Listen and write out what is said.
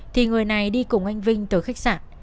thì người này đi cùng anh vinh từ khách sạn